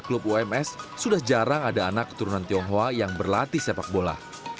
klub ums sudah jarang ada anak keturunan tionghoa yang berlatih sepak bola